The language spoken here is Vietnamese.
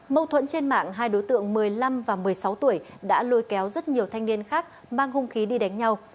mâu thuẫn trên mạng hai đối tượng một mươi năm và một mươi sáu tuổi đã lôi kéo rất nhiều thanh niên khác mang hung khí đi đánh nhau